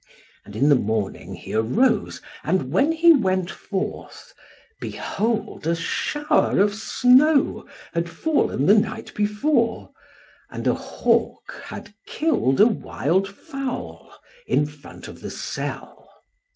And in the morning he arose, and when he went forth, behold a shower of snow had fallen the night before, and a hawk had killed a wild fowl in front of the cell.